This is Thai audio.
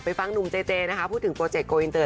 ฟังหนุ่มเจเจนะคะพูดถึงโปรเจคโกอินเตอร์